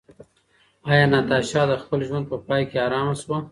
ایا ناتاشا د خپل ژوند په پای کې ارامه شوه؟